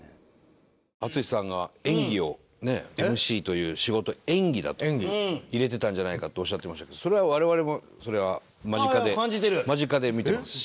淳さんが演技をねＭＣという仕事は演技だと入れてたんじゃないかっておっしゃってましたけどそれは我々も間近で間近で見てますし。